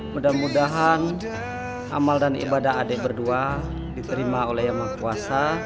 mudah mudahan amal dan ibadah adik berdua diterima oleh yang maha kuasa